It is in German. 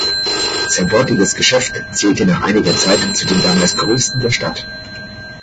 Sein dortiges Geschäft zählte nach einiger Zeit zu den damals größten der Stadt.